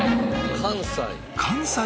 関西？